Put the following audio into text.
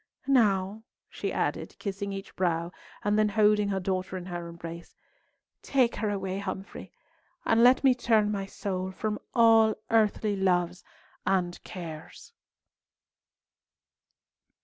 Now," she added, kissing each brow, and then holding her daughter in her embrace, "take her away, Humfrey, and let me turn my soul from all earthly loves and cares!"